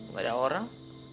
gak ada orang